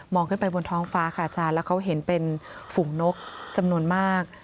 มองฟ้าขาแล้วเป็นฝุ่มนกจำนวนมาก